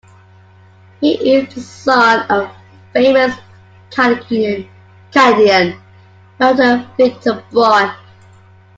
He is the son of famous Canadian baritone Victor Braun.